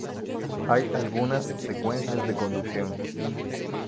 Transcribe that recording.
Hay algunas secuencias de conducción.